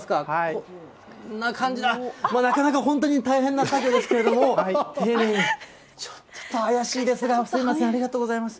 こんな感じだ、なかなか本当に大変な作業ですけれども、丁寧に、ちょっと怪しいですが、すみません、ありがとうございます。